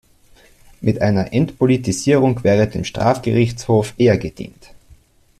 Mit einer Entpolitisierung wäre dem Strafgerichtshof eher gedient.